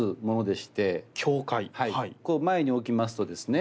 こう前に置きますとですね